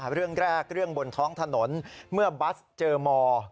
เรื่องแรกเรื่องบนท้องถนนเมื่อบัสเจอม